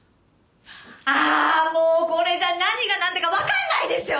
ああもうこれじゃ何がなんだかわかんないでしょ！